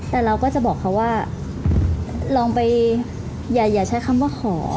แต่เราก็จะบอกเขาว่าลองไปอย่าใช้คำว่าขอ